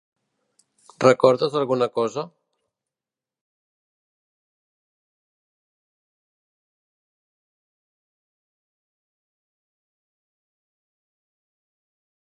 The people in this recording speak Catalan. Recordes alguna cosa?